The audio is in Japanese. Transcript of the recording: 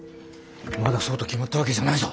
まだそうと決まったわけじゃないぞ。